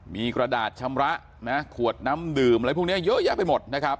มีกระดาษชำระนะขวดน้ำดื่มอะไรพวกนี้เยอะแยะไปหมดนะครับ